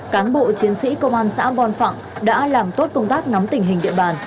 cán bộ chiến sĩ công an xã văn phạng đã làm tốt công tác ngắm tình hình địa bàn